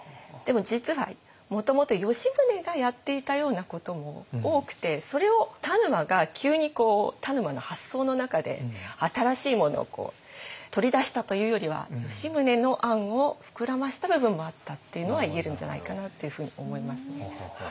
でも実はもともと吉宗がやっていたようなことも多くてそれを田沼が急に田沼の発想の中で新しいものを取り出したというよりは吉宗の案を膨らました部分もあったっていうのは言えるんじゃないかなっていうふうに思いますね。